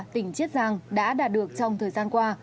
tỉnh chiết giang đã đạt được trong thời gian qua